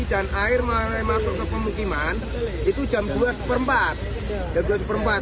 dan air masuk ke permukiman itu jam dua seperempat